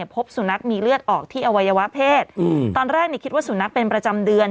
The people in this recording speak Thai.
พบสุนัขมีเลือดออกที่อวัยวะเพศตอนแรกคิดว่าสุนัขเป็นประจำเดือน